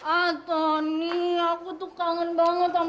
ah tony aku tuh kangen banget sama kamu